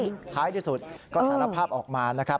ท้ายที่สุดก็สารภาพออกมานะครับ